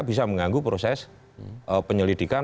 bisa mengganggu proses penyelidikan